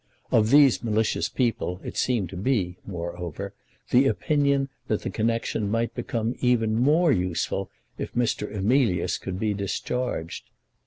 Of these malicious people it seemed to be, moreover, the opinion that the connection might become even more useful if Mr. Emilius could be discharged.